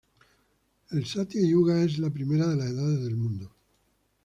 El satia-iuga es la primera de las edades del mundo.